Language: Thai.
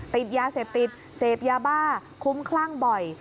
ติดยาเสพติดเสพยาบ้าคุ้มคลั่งบ่อย